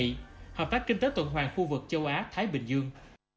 hợp tác kinh tế tuần hoàng khu vực châu á thái bình dương